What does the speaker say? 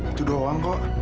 itu doang kok